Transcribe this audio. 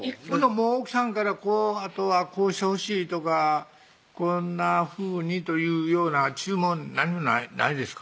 もう奥さんからあとはこうしてほしいとかこんなふうにというような注文何もないですか？